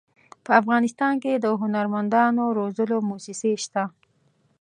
په افغانستان کې د هنرمندانو روزلو مؤسسې شته.